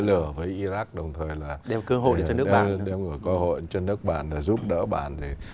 để chia lửa với iraq đồng thời là đem cơ hội cho nước bạn giúp đỡ bạn